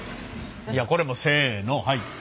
いやこれもせのはい。